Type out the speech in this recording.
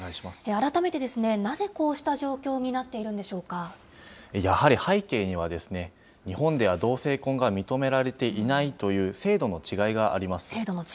改めてなぜこうした状況になってやはり背景には日本では同性婚が認められていないという、制度の違いがあります。